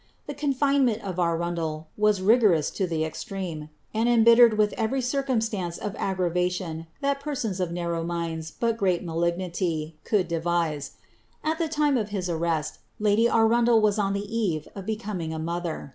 The confine' ineni of Arundel was rigorous in ihe exireme. and embhtered with every circumstance of aggravation that persons of narrow miiids, but grcJi malignity, could devise. At the lime of his arrest, lady Aruudel was on the eve of becoming a mother.